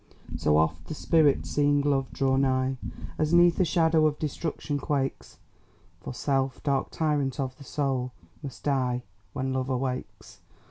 So oft the Spirit seeing Love draw nigh As 'neath the shadow of destruction, quakes, For Self, dark tyrant of the Soul, must die, When Love awakes.